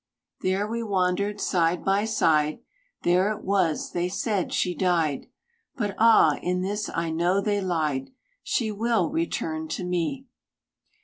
There we wandered side by side. There it was they said she died. But ah! in this I know they lied! She will return to me!